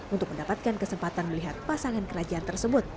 untuk mendapatkan kesempatan melihat pasangan kerajaan tersebut